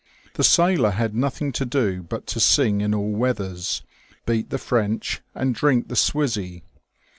The sailor had nothing to do but to sing in all weathers, beat the French, and drink the "swizzy."